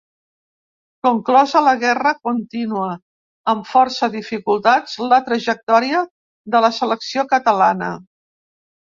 Conclosa la guerra continua, amb força dificultats, la trajectòria de la Selecció Catalana.